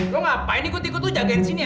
lo ngapain ikut ikut lu jagain disini ya